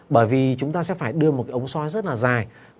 bởi vì chúng ta sẽ phải đưa một cái ống xoay rất là dài